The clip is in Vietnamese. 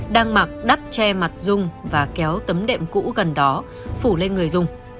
đang mặc đắp che mặt dung và kéo tấm đệm cũ gần đó phủ lên người dung